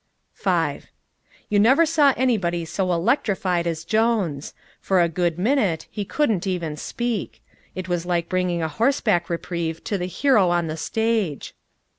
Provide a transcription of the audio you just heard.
V You never saw anybody so electrified as Jones. For a good minute he couldn't even speak. It was like bringing a horseback reprieve to the hero on the stage.